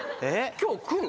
今日来る？